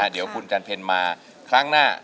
เดี๋ยวคุณจันเพลมาครั้งหน้า